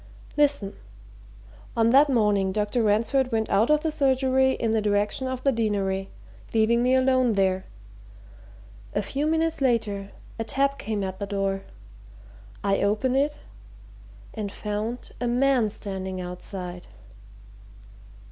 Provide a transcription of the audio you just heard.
Listen! on that morning, Dr. Ransford went out of the surgery in the direction of the Deanery, leaving me alone there. A few minutes later, a tap came at the door. I opened it and found a man standing outside!"